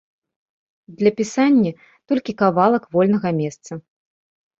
Для пісання толькі кавалак вольнага месца.